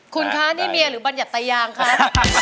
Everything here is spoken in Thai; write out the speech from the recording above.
คุณค้านี่เมียหรือบัญญาติยางครับ